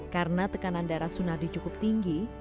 karena tekanan darah sunardi cukup tinggi